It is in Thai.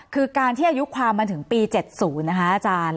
คือการที่อายุความมันถึงปี๗๐นะคะอาจารย์